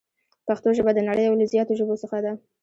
پښتو ژبه د نړۍ یو له زیاتو ژبو څخه ده.